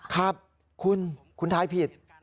ครับคุณคุณทายผิด